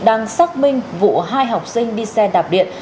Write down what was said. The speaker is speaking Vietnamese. đang xác minh vụ hai học sinh đi xe đạp điện